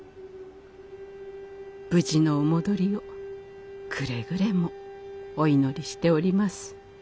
無事のお戻りをくれぐれもお祈りしております。